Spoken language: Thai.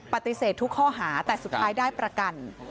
ปฏิเสธทุกข้อหาแต่สุดท้ายได้ประกัน